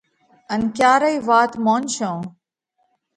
ان ڪيا رئِي وات مونشون؟